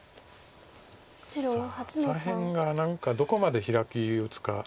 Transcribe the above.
さあ左辺が何かどこまでヒラキ打つか。